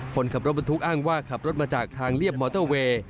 คนขับรถบรรทุกอ้างว่าขับรถมาจากทางเรียบมอเตอร์เวย์